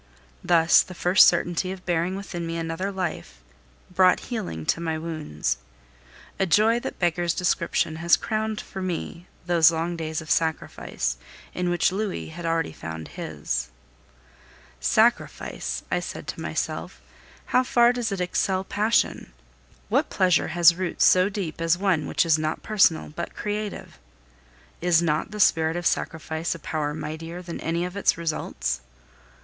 Thus the first certainty of bearing within me another life brought healing to my wounds. A joy that beggars description has crowned for me those long days of sacrifice, in which Louis had already found his. Sacrifice! I said to myself, how far does it excel passion! What pleasure has roots so deep as one which is not personal but creative? Is not the spirit of Sacrifice a power mightier than any of its results?